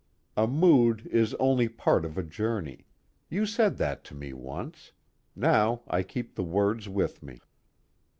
A mood is only part of a journey you said that to me once, now I keep the words with me.